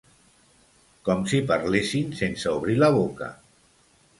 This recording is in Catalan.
Com si parlessin sense obrir la boca.